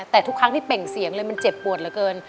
แต่ทุกครั้งที่เป่งเสียงเลยมันเจ็บปวดเหลือเกิน